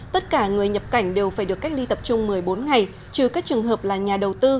tất cả người nhập cảnh đều phải được cách ly tập trung một mươi bốn ngày trừ các trường hợp là nhà đầu tư